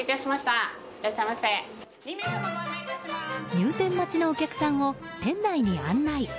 入店待ちのお客さんを店内に案内。